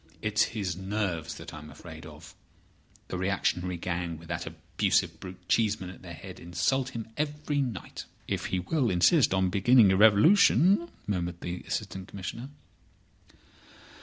It's his nerves that I am afraid of. The reactionary gang, with that abusive brute Cheeseman at their head, insult him every night." "If he will insist on beginning a revolution!" murmured the Assistant Commissioner.